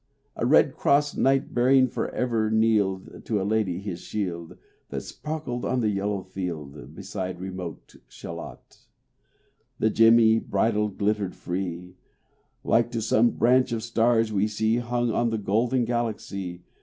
A red cross knight for ever kneeled To a lady in his shield, That sparkled on the yellow field, Beside remote Shalott. The gemmy bridle glittered free, Like to some branch of stars we see Hung in the golden Galaxy.